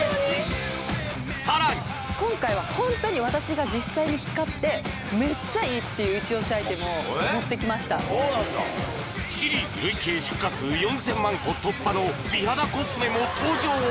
さらに今回は本当に私が実際に使ってめっちゃいいっていうイチ押しアイテムを持ってきましたシリーズ累計出荷数４０００万個突破の美肌コスメも登場！